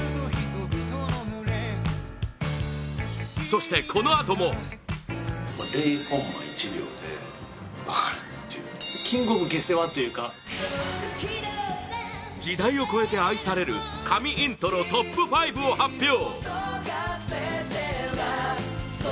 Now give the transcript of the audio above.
そして、このあとも時代を超えて愛される神イントロトップ５を発表！